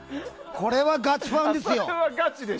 これはガチファンですよ。